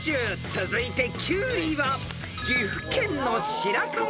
［続いて９位は］